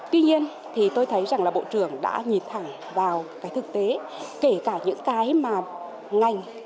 tuy nhiên thì tôi thấy rằng là bộ trưởng đã nhìn thẳng vào cái thực tế kể cả những cái mà ngành